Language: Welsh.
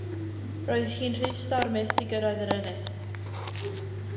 Roedd hi'n rhy stormus i gyrraedd yr ynys.